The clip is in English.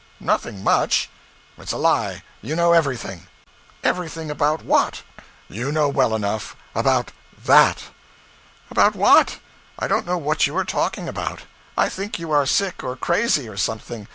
'Nothing much.' 'It's a lie you know everything.' 'Everything about what?' 'You know well enough. About that.' 'About what? I don't know what you are talking about. I think you are sick or crazy or something.